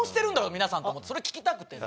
皆さんと思ってそれ聞きたくて。